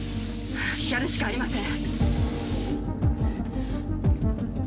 やるしかありません